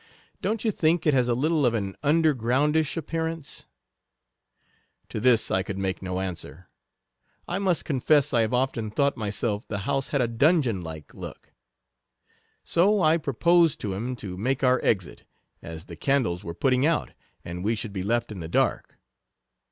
Don't you think it has a little of an under groundish appearance ?" To this I could make no answer. I must confess I have often thought myself the house had a dungeon like look ; so I proposed to him to make our exit, as the candles were putting out, and we should be left in the dark.